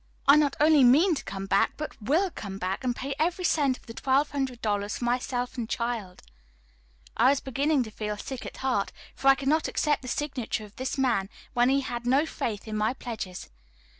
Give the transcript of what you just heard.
I not only mean to come back, but will come back, and pay every cent of the twelve hundred dollars for myself and child." I was beginning to feel sick at heart, for I could not accept the signature of this man when he had no faith in my pledges.